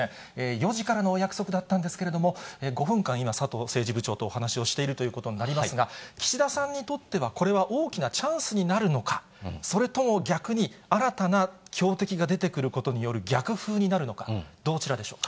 ４時からのお約束だったんですけれども、５分間、今、佐藤政治部長とお話をしているということになりますが、岸田さんにとっては、これは大きなチャンスになるのか、それとも逆に、新たな強敵が出てくることによる逆風になるのか、どちらでしょうか。